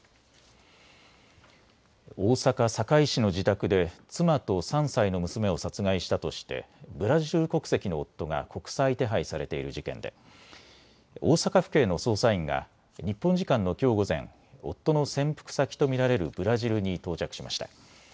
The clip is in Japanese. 大阪堺市の自宅で妻と３歳の娘を殺害したとしてブラジル国籍の夫が国際手配されている事件で大阪府警の捜査員が日本時間のきょう午前、夫の潜伏先と見られるブラジルに到着しました。